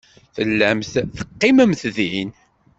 Tellamt teqqimemt din.